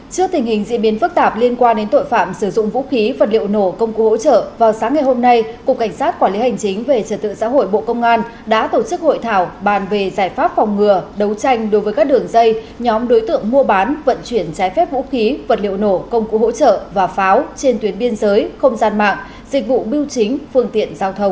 các bạn hãy đăng ký kênh để ủng hộ kênh của chúng mình nhé